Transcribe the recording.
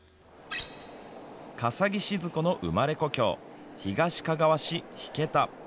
笠置シヅ子の生まれ故郷東かがわ市引田。